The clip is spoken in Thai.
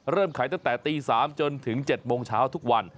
เริ่มขายตั้งแต่ตี๓จนถึง๗โมงเช้าทุกวัน